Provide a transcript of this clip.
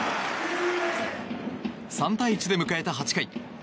３対１で迎えた８回。